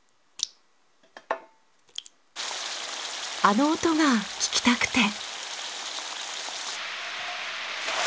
あの音が聞きたくて。